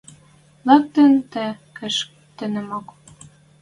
Лӓктӹн тӹ кеш тӹнӓмок...